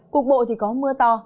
cục bộ thì có mưa to